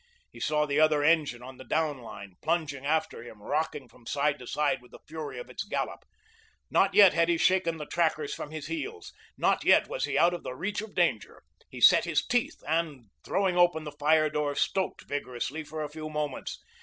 He saw the other engine on the down line, plunging after him, rocking from side to side with the fury of its gallop. Not yet had he shaken the trackers from his heels; not yet was he out of the reach of danger. He set his teeth and, throwing open the fire door, stoked vigorously for a few moments.